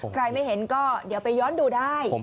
ไม่เห็นก็เดี๋ยวไปย้อนดูได้